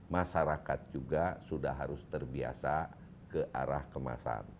masyarakat juga sudah harus terbiasa ke arah kemasan